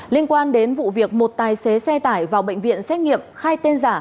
liên quan đến vụ việc một tài xế xe tải vào bệnh viện xét nghiệm khai tên giả